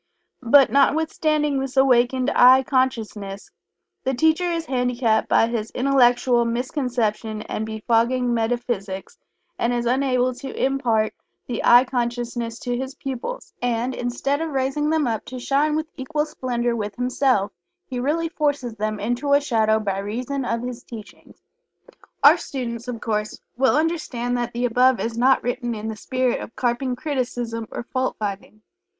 But, notwithstanding this awakened "I" consciousness, the teacher is handicapped by his intellectual misconception and befogging metaphysics, and is unable to impart the "I" consciousness to his pupils, and, instead of raising them up to shine with equal splendor with himself, he really forces them into a shadow by reason of his teachings. Our students, of course, will understand that the above is not written in the spirit of carping criticism or fault finding.